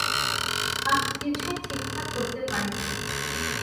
আমি কিছুই ঠিকঠাক করতে পারি না।